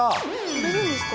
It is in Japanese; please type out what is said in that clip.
くれるんですか？